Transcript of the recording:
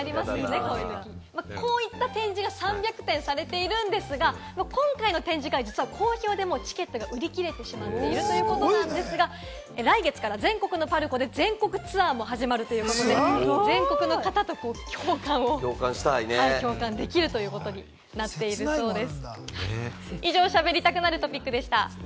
こういった展示が３００点されているんですが、今回の展示会、実は好評でもうチケットが売り切れてしまっているということなんですが、来月から全国のＰＡＲＣＯで全国ツアーも始まるということで、全国の方と共感できるということになっているそうです。